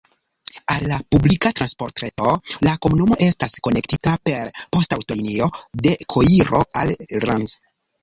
Al la publika transportreto la komunumo estas konektita per poŝtaŭtolinio de Koiro al Ilanz.